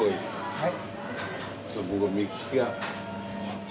はい。